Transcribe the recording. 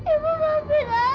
ibu mampir ayu